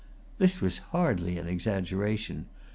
This was hardly an exaggeration.